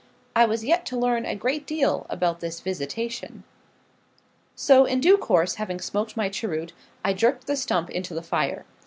I was yet to learn a great deal about this visitation. So, in due course having smoked my cheroot, I jerked the stump into the fire.